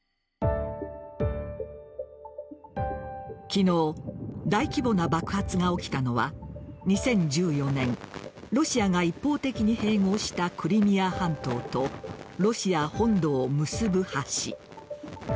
昨日、大規模な爆発が起きたのは２０１４年、ロシアが一方的に併合したクリミア半島とロシア本土を結ぶ橋。